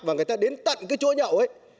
và người ta đến tận cái chỗ nhậu ấy